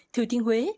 thư thiên huế